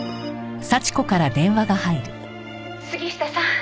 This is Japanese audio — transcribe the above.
「杉下さん」